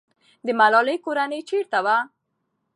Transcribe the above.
د ملالۍ کورنۍ چېرته وه؟